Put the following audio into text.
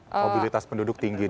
mobilitas penduduk tinggi